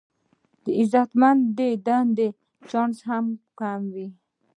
د عزتمندې دندې چانس هم کم و.